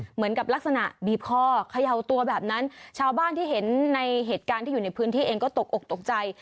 เหมือนกับลักษณะบีบคอเขย่าตัวแบบนั้นชาวบ้านที่เห็นในเหตุการณ์ที่อยู่ในพื้นที่เองก็ตกอกตกใจ